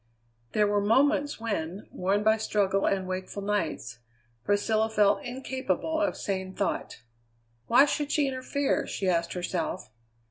There were moments when, worn by struggle and wakeful nights, Priscilla felt incapable of sane thought. Why should she interfere, she asked herself.